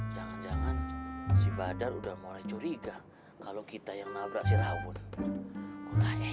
jangan jangan sifatnya udah mulai curiga kalau kita yang nabrak si rawun enaknya